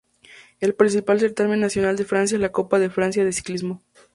El principal certamen nacional de Francia es la Copa de Francia de Ciclismo.